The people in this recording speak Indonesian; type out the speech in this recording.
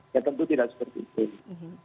ya tentu tidak seperti itu